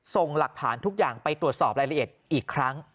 ส่งหลักฐานทุกอย่างไปตรวจสอบรายละเอียดอีกครั้ง